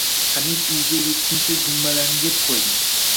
Hamid uyga yetguncha gummalarni yeb qo‘ydi